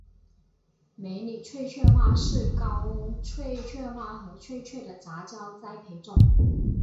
美女翠雀花是高翠雀花和翠雀的杂交栽培种。